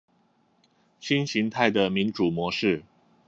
新型態的民主模式